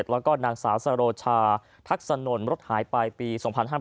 แล้วก็นางสาวสโรชาทักษนนรถหายไปปี๒๕๕๘